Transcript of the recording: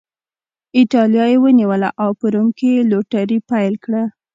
اېټالیا یې ونیوله او په روم کې یې لوټري پیل کړه.